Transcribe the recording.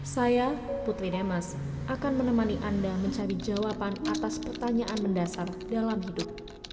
saya putri demas akan menemani anda mencari jawaban atas pertanyaan mendasar dalam hidup